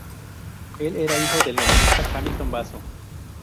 Él era el hijo del novelista Hamilton Basso.